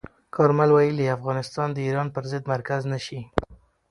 کارمل ویلي، افغانستان د ایران پر ضد مرکز نه شي.